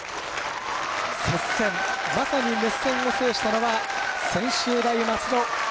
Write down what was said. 接戦、まさに熱戦を制したのは専修大松戸。